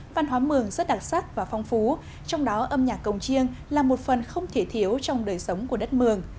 văn hóa mường rất đặc sắc và phong phú trong đó âm nhạc cổng chiêng là một phần không thể thiếu trong đời sống của đất mường